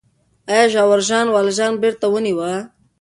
آیا ژاور ژان والژان بېرته ونیوه؟